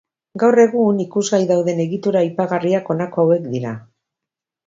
Gaur egun ikusgai dauden egitura aipagarriak honako hauek dira.